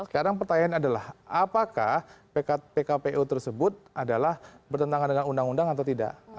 sekarang pertanyaan adalah apakah pkpu tersebut adalah bertentangan dengan undang undang atau tidak